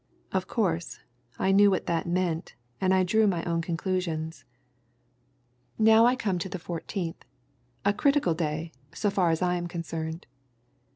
Of course, I knew what that meant, and I drew my own conclusions. "Now I come to the 14th a critical day, so far as I am concerned.